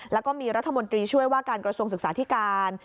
แล้วก็มีรัฐมนตรีช่วยว่าการกระทรวงศึกษาธิการ